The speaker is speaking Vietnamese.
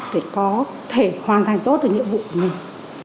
để có thể hoàn thành tốt được nhiệm vụ của mình